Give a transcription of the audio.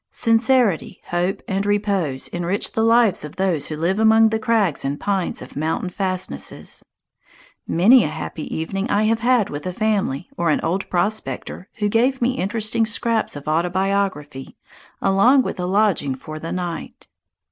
Sincerity, hope, and repose enrich the lives of those who live among the crags and pines of mountain fastnesses. Many a happy evening I have had with a family, or an old prospector, who gave me interesting scraps of autobiography along with a lodging for the night.